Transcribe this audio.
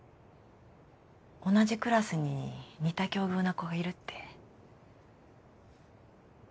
同じクラスに似た境遇の子がいるって。